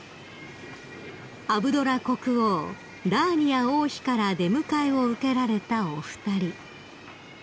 ［アブドラ国王ラーニア王妃から出迎えを受けられたお二人］